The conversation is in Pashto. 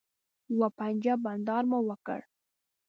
یوه پنجه بنډار مو وکړ.